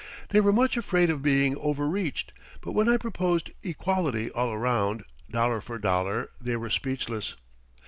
They were much afraid of being overreached but when I proposed equality all around, dollar for dollar, they were speechless.